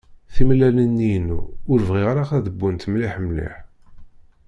Timellalin-nni-inu ur bɣiɣ ara ad wwent mliḥ mliḥ.